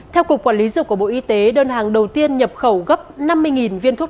theo cục quản lý dược của bộ y tế đơn hàng đầu tiên nhập khẩu gấp năm mươi viên thuốc